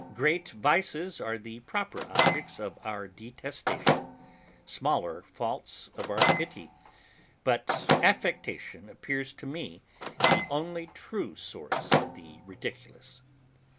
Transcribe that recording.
Great vices are the proper objects of our detestation, smaller faults, of our pity; but affectation appears to me the only true source of the Ridiculous.